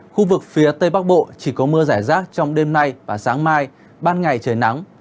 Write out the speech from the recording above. khu vực phía tây bắc bộ chỉ có mưa rải rác trong đêm nay và sáng mai ban ngày trời nắng